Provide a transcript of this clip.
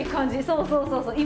そうそうそうそう